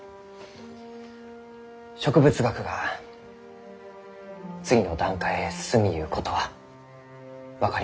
植物学が次の段階へ進みゆうことは分かりました。